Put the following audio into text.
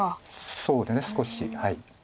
そうですね少し。